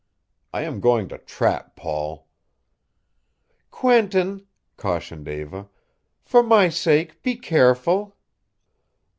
I am going to trap Paul." "Quentin," cautioned Eva, "for my sake be careful."